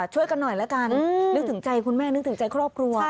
ช่วยกันหน่อยละกันนึกถึงใจคุณแม่นึกถึงใจครอบครัว